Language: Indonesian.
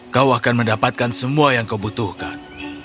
kau akan mendapatkan semua yang kau butuhkan